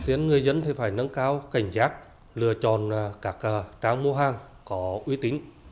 đối tượng phải nâng cao cảnh giác lựa chọn các trang mua hàng có uy tín